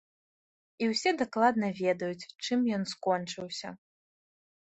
І ўсе дакладна ведаюць, чым ён скончыўся.